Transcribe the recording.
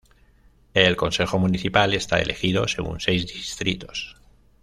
El consejo municipal está elegido según seis distritos.